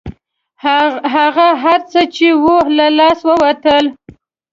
هغه هر څه چې وو له لاسه ووتل.